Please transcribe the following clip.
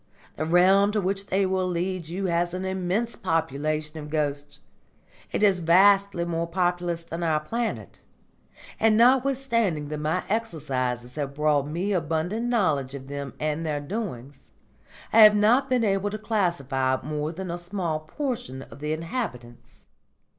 The realm to which they will lead you has an immense population of ghosts; it is vastly more populous than our planet; and notwithstanding that my exercises have brought me abundant knowledge of them and their doings, I have not been able to classify more than a small portion of the inhabitants.